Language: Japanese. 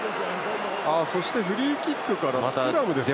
そしてフリーキックからスクラムですか。